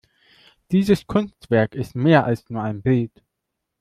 Dieses Kunstwerk ist mehr als nur ein Bild.